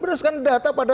berdasarkan data pada